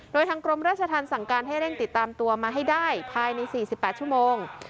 โดยทางกรมราชธรรมสั่งการให้เร่งติดตามตัวมาให้ได้ภายใน๔๘ชั่วโมง